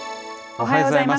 おはようございます。